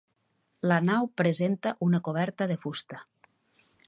La nau presenta una coberta de fusta.